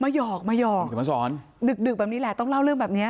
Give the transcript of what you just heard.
หยอกมาหยอกเห็นมาสอนดึกดึกแบบนี้แหละต้องเล่าเรื่องแบบเนี้ย